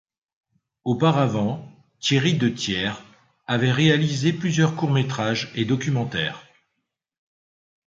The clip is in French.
Auparavant, Thierry De Thier avait réalisé plusieurs courts métrages et documentaires.